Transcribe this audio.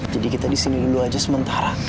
jadi kita di sini dulu aja sementara